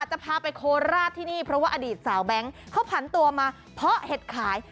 จะพาไปโคราชที่นี่เพราะว่าอดีตสาวแบงค์เขาผันตัวมาเพาะเห็ดขาย